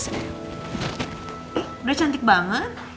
udah cantik banget